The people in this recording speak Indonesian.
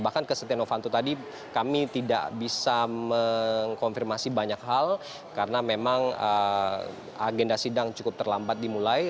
bahkan ke setia novanto tadi kami tidak bisa mengkonfirmasi banyak hal karena memang agenda sidang cukup terlambat dimulai